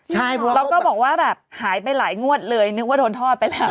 ใช่แล้วก็บอกว่าแบบหายไปหลายงวดเลยนึกว่าโดนทอดไปแล้ว